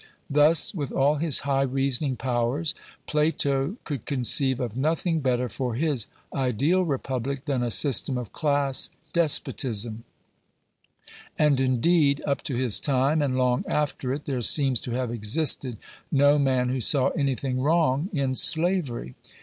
Thus, with all his high reasoning powers, Plato could conceive of nothing better for his ideal republic than a system of class despotism ; and, indeed, up to his time, and long after it, there seems to have existed no man who saw anything wrong in slavery.